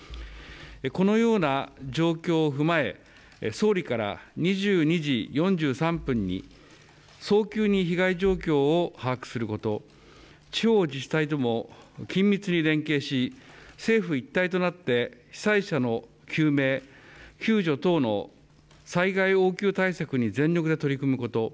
このような状況を踏まえ総理から２２時４３分に早急に被害状況を把握すること地方自治体とも緊密に連携し政府一体となって被災者の救命救助等の災害応急対策に全力で取り組むこと。